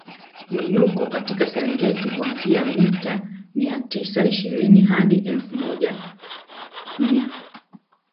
Mwinuko katika Serengeti huanzia mita mia tisa ishirini hadi elfu moja mia